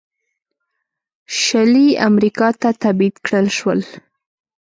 شلي امریکا ته تبعید کړل شول.